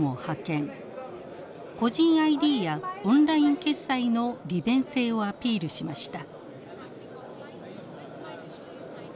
個人ＩＤやオンライン決済の利便性をアピールしました。